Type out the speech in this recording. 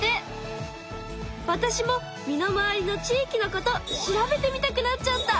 わたしも身の回りの地域のこと調べてみたくなっちゃった。